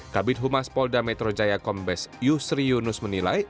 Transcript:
kabit humas polda metro jaya kombes yusri yunus menilai